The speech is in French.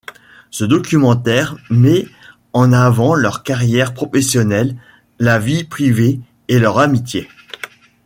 Ce documentaire met en avant leurs carrières professionnelles, la vie privée et leur amitié.